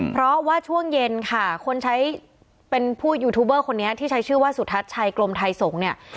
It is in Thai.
เพราะว่าช่วงเย็นค่ะคนใช้เป็นผู้ยูทูบเบอร์คนนี้ที่ใช้ชื่อว่าสุทัศน์ชัยกลมไทยสงฆ์เนี่ย